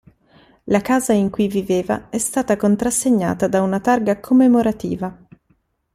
La casa in cui viveva è stata contrassegnata da una targa commemorativa.